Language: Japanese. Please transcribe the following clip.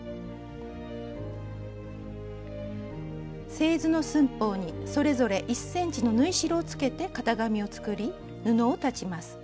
製図の寸法にそれぞれ１ｃｍの縫い代をつけて型紙を作り布を裁ちます。